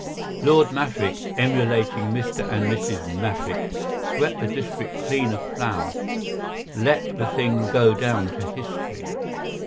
Lord Maffick, emulating Mr. and Mrs. Maffick, swept his district clean of flour; let the thing go down to history.